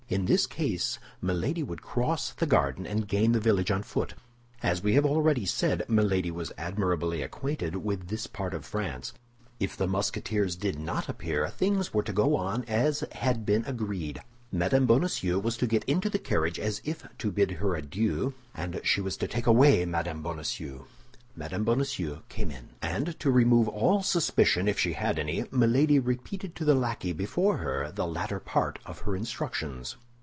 In this case Milady would cross the garden and gain the village on foot. As we have already said, Milady was admirably acquainted with this part of France. If the Musketeers did not appear, things were to go on as had been agreed; Mme. Bonacieux was to get into the carriage as if to bid her adieu, and she was to take away Mme. Bonacieux. Mme. Bonacieux came in; and to remove all suspicion, if she had any, Milady repeated to the lackey, before her, the latter part of her instructions.